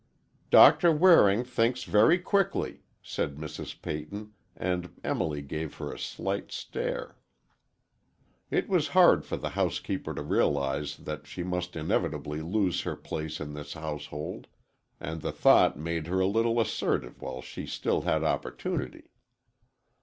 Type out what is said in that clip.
"Doctor Waring thinks very quickly," said Mrs. Peyton, and Emily gave her a slight stare. It was hard for the housekeeper to realize that she must inevitably lose her place in his household, and the thought made her a little assertive while she still had opportunity.